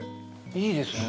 いいですね。